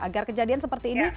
agar kejadian seperti ini